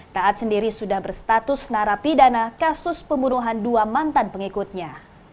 taat sendiri sudah berstatus narapidana kasus pembunuhan dua mantan pengikutnya